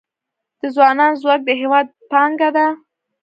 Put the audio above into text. د ځوانانو ځواک د هیواد پانګه ده